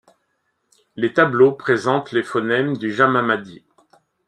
Les tableaux présentent les phonèmes du jamamadí.